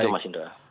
begitu mas indra